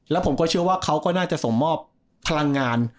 แล้วผมก็เชื่อว่าเขาก็น่าจะส่งมอบพลังงาน